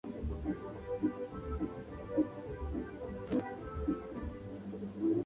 Es controlada por la Federación de Fútbol de Jamaica.